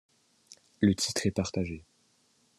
Le titre est partagé.